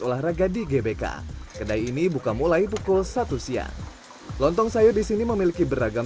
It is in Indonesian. olahraga di gbk kedai ini buka mulai pukul satu siang lontong sayur di sini memiliki beragam